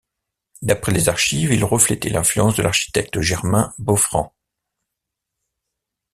D’après les archives, il reflétait l'influence de l’architecte Germain Boffrand.